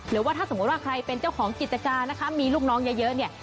หรือว่าถ้าสมมุติว่าใครเป็นเจ้าของกิจการนะคะมีลูกน้องเยอะเนี่ย